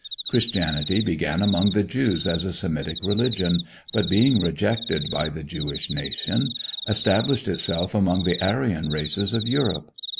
Christianity began among the Jews as a Semitic religion, but, being rejected by the Jewish nation, established itself among the Aryan races of Europe.